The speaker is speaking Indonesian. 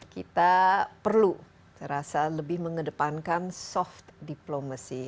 kita perlu merasa lebih mengedepankan soft diplomacy